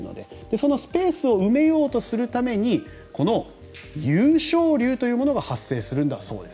そのスペースを埋めようとするためにこの湧昇流というものが発生するんだそうです。